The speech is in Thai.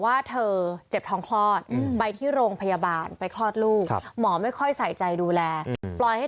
ว่าเธอเจ็บท้องคลอดไปที่โรงพยาบาลไปคลอดลูกหมอไม่ค่อยใส่ใจดูแลปล่อยให้